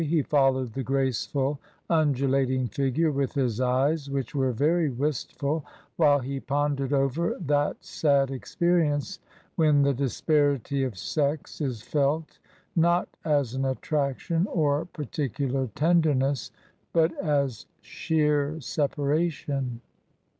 He followed the graceful undulating figure with his eyes, which were very wistful, while he pondered over that sad experience when the disparity of sex is felt not as an attraction or par ticular tenderness, but as sheer separation.